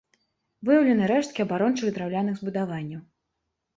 Выяўлены рэшткі абарончых драўляных збудаванняў.